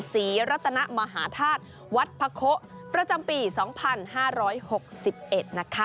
ศรีรัตนมหาธาตุวัดพะโคประจำปี๒๕๖๑นะคะ